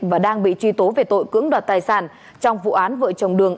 và đang bị truy tố về tội cưỡng đoạt tài sản trong vụ án vợ chồng đường